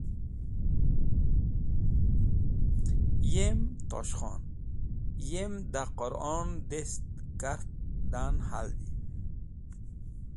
Yem [Tosh khon] yemi da Quron dest kart, da’n haldi.